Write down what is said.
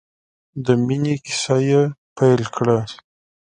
د مینې کیسه یې پیل کړه.